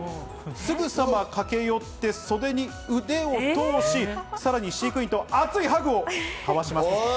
すぐさま駆け寄って、袖に腕を通し、さらに飼育員と熱いハグを交わします。